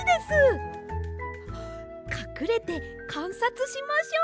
かくれてかんさつしましょう。